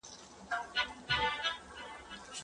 ایا ځايي کروندګر انځر صادروي؟